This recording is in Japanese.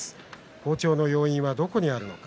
好調の要因はどこにあるのか。